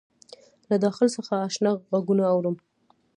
له داخل څخه آشنا غــږونه اورم